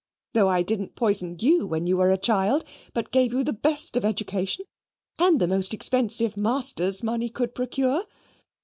Though I didn't poison YOU, when you were a child, but gave you the best of education and the most expensive masters money could procure.